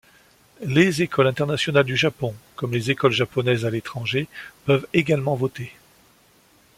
Les écoles internationales du Japon comme les écoles japonaises à l'étranger peuvent également voter.